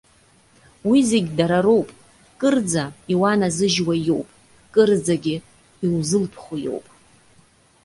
Уи зегь дарароуп, кырӡа иуаназыжьуа иоуп, кырӡагьы иузылԥхо иоуп.